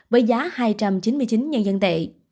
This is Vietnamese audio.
với giá hai trăm chín mươi chín nhân dân tệ